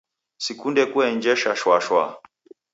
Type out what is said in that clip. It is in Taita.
Sikunde kuenjesha shwashwaa